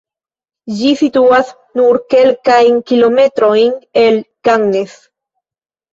Ĝi situas nur kelkajn kilometrojn el Cannes.